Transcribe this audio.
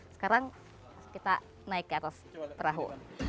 sekarang kita naik ke atas perahu